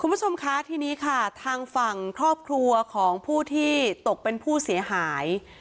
คุณผู้ชมคะทีนี้ค่ะทางฝั่งครอบครัวของผู้ที่ตกเป็นผู้เสียหาย